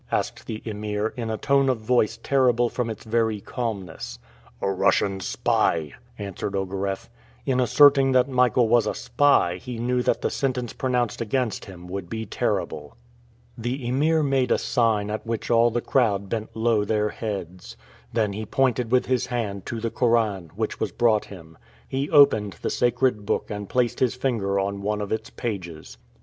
asked the Emir, in a tone of voice terrible from its very calmness. "A Russian spy," answered Ogareff. In asserting that Michael was a spy he knew that the sentence pronounced against him would be terrible. The Emir made a sign at which all the crowd bent low their heads. Then he pointed with his hand to the Koran, which was brought him. He opened the sacred book and placed his finger on one of its pages.